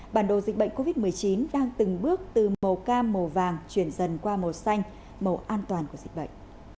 bản đồ dịch bệnh covid một mươi chín đang từng bước từ màu cam màu vàng chuyển dần qua màu xanh màu an toàn của dịch bệnh